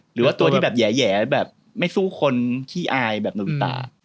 หรือว่าตัวที่แบบแหย่แบบไม่สู้คนขี้อายแบบหนุ่มตา